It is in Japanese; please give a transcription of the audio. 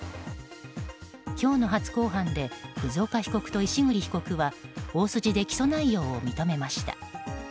今日の初公判で葛岡被告と石栗被告は大筋で起訴内容を認めました。